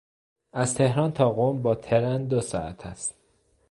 از تهران تا قم با ترن دو ساعت است.